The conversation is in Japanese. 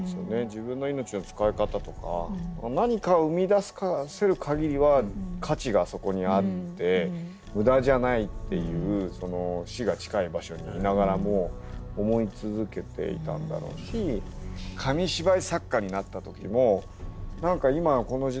自分の命の使い方とか何かを生み出すかぎりは価値がそこにあって無駄じゃないっていうその死が近い場所にいながらも思い続けていたんだろうし紙芝居作家になった時も今のこの時代に子供たちが笑えるんだ。